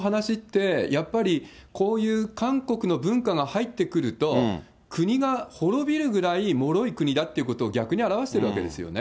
でもね、この話って、やっぱりこういう韓国の文化が入ってくると、国が亡びるぐらいもろい国だということを逆に表しているわけですよね。